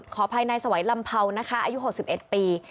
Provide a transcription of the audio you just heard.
ขออภัยนายสวัยลำเภานะคะอายุ๖๑ปี